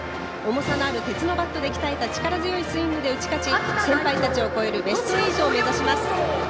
重さのある鉄のバットで鍛えた力強いスイングで打ち勝ち先輩たちを超えるベスト８を目指します。